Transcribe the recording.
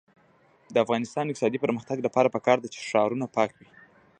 د افغانستان د اقتصادي پرمختګ لپاره پکار ده چې ښارونه پاک وي.